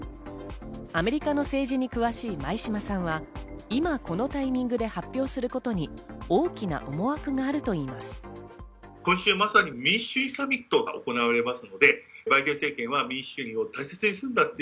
アメリカの政治に詳しい前嶋さんは、今このタイミングで発表することに大きな思惑があるといいます。